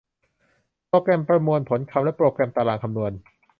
โปรแกรมประมวลผลคำและโปรแกรมตารางคำนวณ